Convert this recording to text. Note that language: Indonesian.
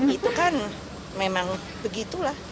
itu kan memang begitulah